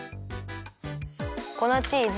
粉チーズ。